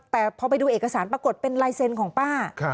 แต่พอไปดูเอกสารปรากฏเป็นลายเซ็นต์ของป้า